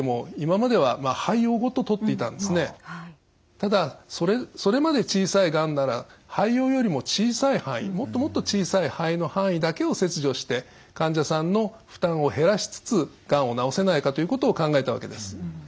ただそれまで小さいがんなら肺葉よりも小さい範囲もっともっと小さい肺の範囲だけを切除して患者さんの負担を減らしつつがんを治せないかということを考えたわけです。